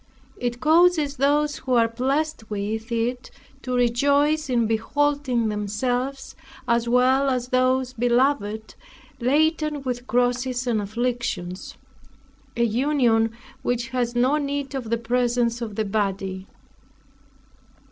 It causes those who are blessed with it to rejoice in beholding themselves, as well as those beloved, laden with crosses and afflictions an union which has no need of the presence of the body.